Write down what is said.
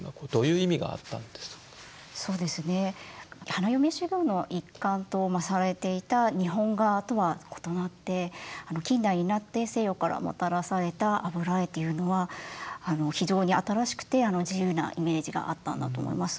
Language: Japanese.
花嫁修業の一環とされていた日本画とは異なって近代になって西洋からもたらされた油絵というのは非常に新しくて自由なイメージがあったんだと思います。